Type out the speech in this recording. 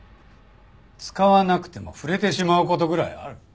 使わなくても触れてしまう事ぐらいある。